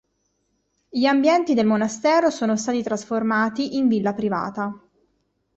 Gli ambienti del monastero sono stati trasformati in villa privata.